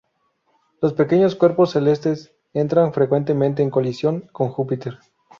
Los pequeños cuerpos celestes entran frecuentemente en colisión con Júpiter.